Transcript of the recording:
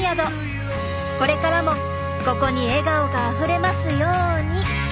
これからもここに笑顔があふれますように！